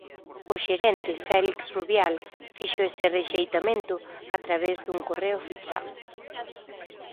O xerente, Félix Rubial, fixo ese rexeitamento a través dun correo oficial.